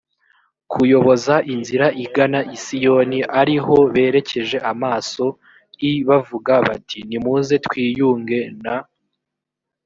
kuyoboza inzira igana i siyoni ari ho berekeje amaso i bavuga bati nimuze twiyunge na